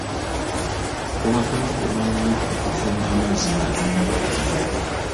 Kuba kwekuuma nnyo okufumba amazzi nga tonnaba ku ganywa.